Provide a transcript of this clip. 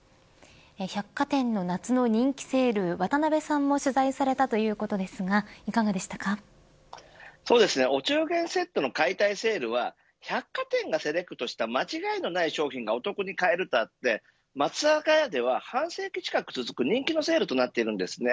百貨店の夏の人気セール渡辺さんも取材されたということですがお中元セットの解体セールは百貨店がセレクトした間違いのない商品がお得に買えるとあって松坂屋では半世紀近く続く人気のセールとなっています。